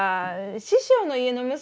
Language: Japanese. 師匠の家の娘？